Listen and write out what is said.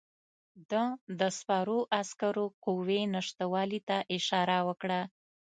ده د سپرو عسکرو قوې نشتوالي ته اشاره وکړه.